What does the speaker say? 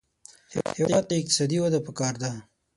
هېواد ته اقتصادي وده پکار ده